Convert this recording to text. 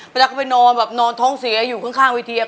ปะตั๊กก็ไปนอนนอนท้องเสียอยู่ข้างวิทยา